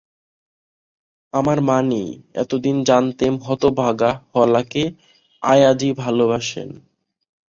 আমার মা নেই, এতদিন জানতেম হতভাগা হলাকে আয়াজি ভালোবাসেন।